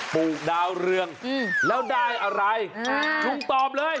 ดอกใหญ่ขายอยู่ที่ราคาดอกละ๒บาท